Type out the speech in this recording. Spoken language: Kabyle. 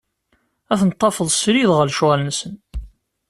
Ad tent-tafeḍ srid ɣer lecɣal-nsen.